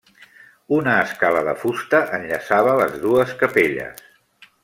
Una escala de fusta enllaçava les dues capelles.